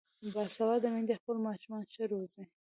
باسواده میندې خپل ماشومان ښه روزي.